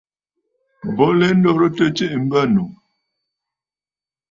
Bo lɛ ndoritə tsiʼi mbə̂nnù.